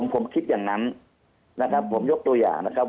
ผมคิดอย่างนั้นนะครับผมยกตัวอย่างนะครับ